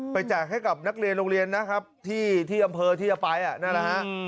แจกให้กับนักเรียนโรงเรียนนะครับที่อำเภอที่จะไปนั่นแหละฮะ